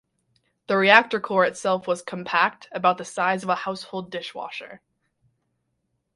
The reactor core itself was compact, about the size of a household dishwasher.